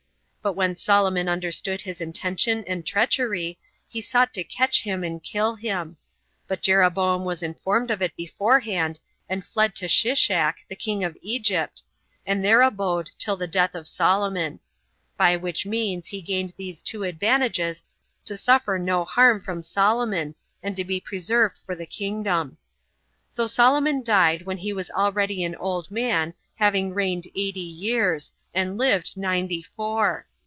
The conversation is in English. But when Solomon understood his intention and treachery, he sought to catch him and kill him; but Jeroboam was informed of it beforehand, and fled to Shishak, the king of Egypt, and there abode till the death of Solomon; by which means he gained these two advantages to suffer no harm from Solomon, and to be preserved for the kingdom. So Solomon died when he was already an old man, having reigned eighty years, and lived ninety four.